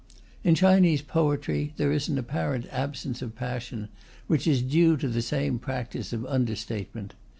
In Chinese poetry there is an apparent absence of passion which is due to the same practice of under statement.